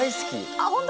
あっ本当？